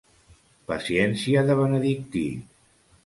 Paciència de benedictí.